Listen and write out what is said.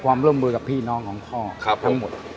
ความร่วมมือกับพี่น้องของพ่อทั้งหมด